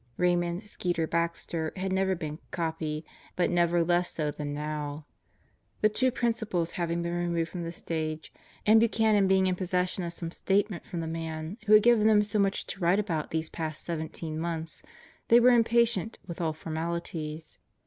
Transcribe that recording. Raymond "Skeeter" Baxter had never been "copy"; but never less so than now. The two principals having been removed from the stage and Buchanan being in possession of some statement from the man who had given them so much to write about these past seventeen months, they were impatient with all formalities.